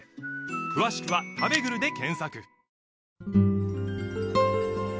詳しくは「たべぐる」で検索